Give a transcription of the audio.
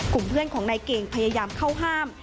กลุ่มเพื่อนของนายเก่งพยายามเข้าห้าม